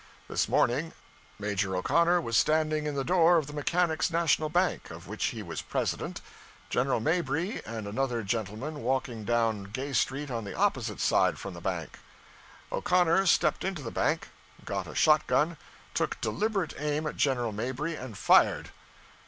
This morning Major O'Connor was standing in the door of the Mechanics' National Bank, of which he was president. General Mabry and another gentleman walked down Gay Street on the opposite side from the bank. O'Connor stepped into the bank, got a shot gun, took deliberate aim at General Mabry and fired.